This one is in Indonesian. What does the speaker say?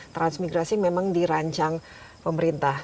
transmigrasi memang dirancang pemerintah